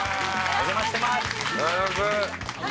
お邪魔してます。